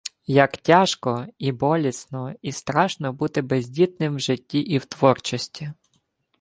Як тяжко, і болісно, і страшно бути бездітним в житті і в творчості.